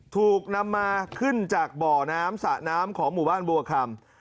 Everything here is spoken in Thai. ถูกนำมาขึ้นจากบ่อน้ำสระน้ำของหมู่บ้านบัวคำ